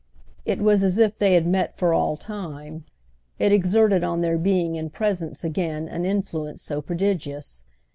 It was as if they had met for all time—it exerted on their being in presence again an influence so prodigious.